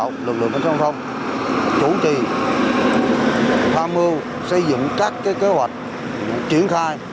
tổng lực lượng cảnh sát giao thông chủ trì tham mưu xây dựng các kế hoạch triển khai